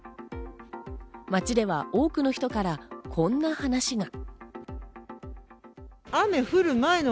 街では多くの人からこんな話が。